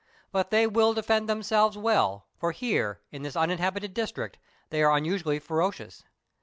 But they will defend themselves well, for here, in this uninhabited district, they are unusually ferocious.